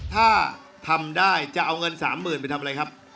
ถ้าทำได้จะเอาเงิน๓๐๐๐ไปทำอะไรครับ